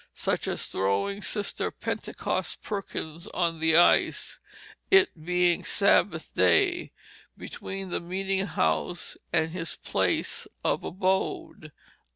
Such as throwing Sister Penticost Perkins on the Ice, it being Saboth day, between the meeting hous and his plaes of abode."